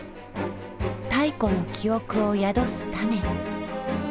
太古の記憶を宿す種。